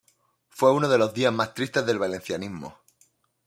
Fue uno de los días más tristes del valencianismo.